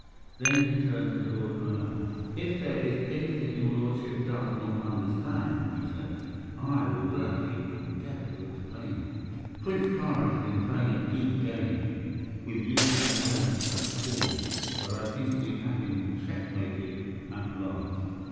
Then he turned to Lord Roane. "If there is anything your lordship does not understand," he said, "I will gladly endeavor to explain it. Prince Kāra has been playing a deep game, with you and Aneth as pawns; but I think we have him checkmated at last."